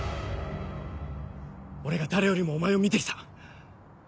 俺が誰よりもお前を見て来た。